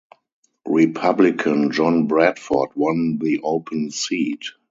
Republican John Bradford won the open seat.